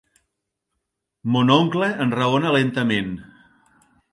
Mon oncle enraona lentament.